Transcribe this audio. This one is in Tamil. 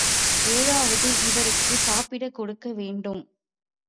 ஏதாவது இவருக்குச் சாப்பிடக் கொடுக்க வேண்டும்.